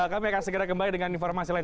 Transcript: kami akan segera kembali dengan informasi lain